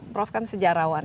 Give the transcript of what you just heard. prof kan sejarawan